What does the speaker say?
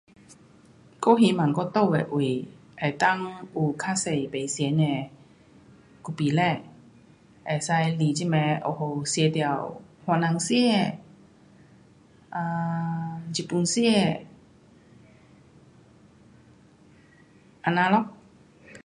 我希望我住的位能够有较多不同的咖啡店，能够来这边有好吃到，番人吃，啊，日本吃，这样咯。